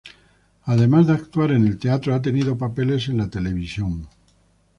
Además de actuar en el teatro, ha tenido papeles en la televisión.